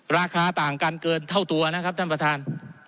ราคาต่างกันเกินเท่าตัวนะครับท่านประธาน